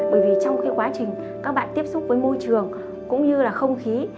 bởi vì trong cái quá trình các bạn tiếp xúc với môi trường cũng như là không khí